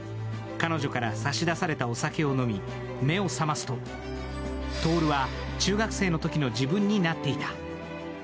彼女から差し出されたお酒を飲み、目を覚ますと徹は、中学生のときの自分になっていた。